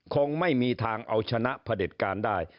คงไม่มีทางเอาชนะผลิตการได้